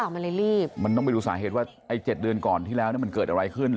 มันเลยรีบมันต้องไปดูสาเหตุว่าไอ้เจ็ดเดือนก่อนที่แล้วเนี่ยมันเกิดอะไรขึ้น